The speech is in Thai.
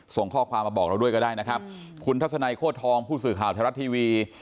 ส่งข้อความมาบอกเราด้วยก็ได้นะครับคุณทัศนัยโคตรทองผู้สื่อข่าวไทยรัฐทีวี